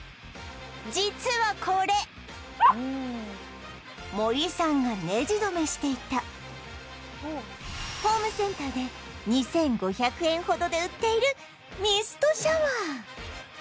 実はこれ森さんがネジどめしていたホームセンターで２５００円ほどで売っているミストシャワー